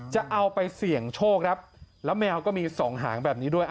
จะเอาไปเสี่ยงโชคครับแล้วแมวก็มีสองหางแบบนี้ด้วย